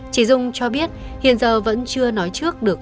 chị dung cho biết hiện giờ vẫn chưa nói trước được